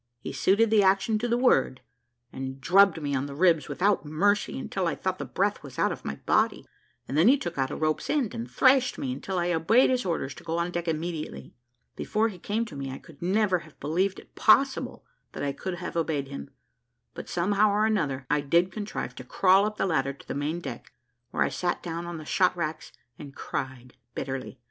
He suited the action to the word, and drubbed me on the ribs without mercy, until I thought the breath was out of my body, and then he took out a rope's end and thrashed me until I obeyed his orders to go on deck immediately. Before he came to me, I could never have believed it possible that I could have obeyed him; but somehow or another I did contrive to crawl up the ladder to the main deck, where I sat down on the shot racks and cried bitterly.